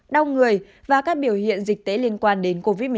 đau người và các biểu hiện dịch tễ liên quan đến covid một mươi chín